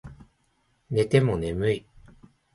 寝ても眠い